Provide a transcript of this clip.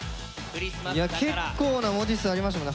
いや結構な文字数ありましたもんね。